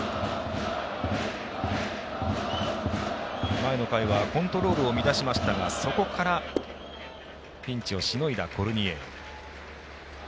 前の回はコントロールを乱しましたがそこからピンチをしのいだコルニエル。